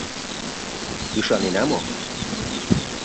— Ӱшанена мо?